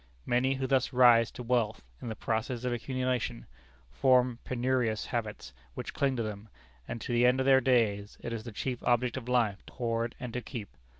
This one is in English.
Many who thus rise to wealth, in the process of accumulation, form penurious habits which cling to them, and to the end of their days it is the chief object of life to hoard and to keep.